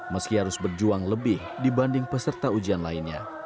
meski harus berjuang lebih dibanding peserta ujian lainnya